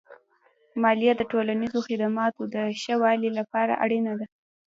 مالیه د ټولنیزو خدماتو د ښه والي لپاره اړینه ده.